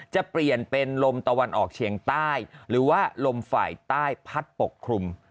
จะเปลี่ยนเป็นลมตะวันออกเฉียงใต้หรือว่าลมฝ่ายใต้พัดปกคลุม